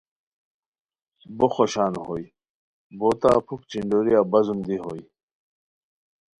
بو خوشان ہوئے بوتہ پُھک چینڈوریہ بزم دی ہوئے